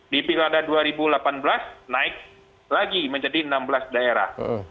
di pilkada dua ribu delapan belas naik lagi menjadi enam belas daerah